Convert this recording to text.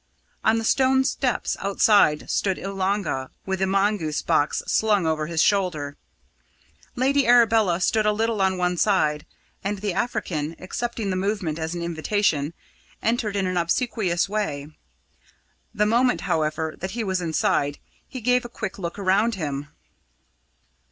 On the stone steps outside stood Oolanga, with the mongoose box slung over his shoulder. Lady Arabella stood a little on one side, and the African, accepting the movement as an invitation, entered in an obsequious way. The moment, however, that he was inside, he gave a quick look around him.